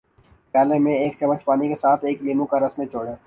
پیالے میں ایک چمچ پانی کے ساتھ ایک لیموں کا رس نچوڑیں